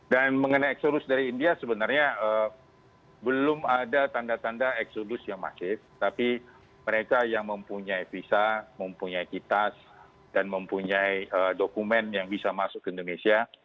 dan mengenai eksodus dari india sebenarnya belum ada tanda tanda eksodus yang masih tapi mereka yang mempunyai visa mempunyai kitas dan mempunyai dokumen yang bisa masuk ke indonesia